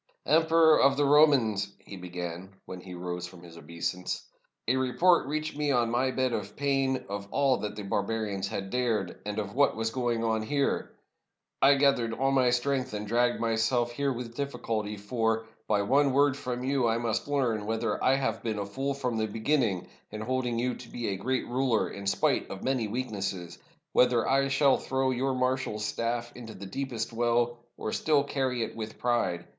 "Emperor of the Romans," he began, when he rose from his obeisance, "a report reached me on my bed of pain of all that the barbarians had dared, and of what was going on here. I gathered all my strength and dragged myself here with difl&culty, for, by one word from you, I must learn whether I have been a fool from the beginning in holding you to be a great ruler in spite of many weaknesses; whether I shall throw your mar shal's stafT into the deepest well, or still carry it with pride.